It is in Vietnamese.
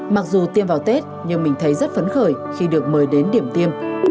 mặc dù tiêm vào tết nhưng mình thấy rất phấn khởi khi được mời đến điểm tiêm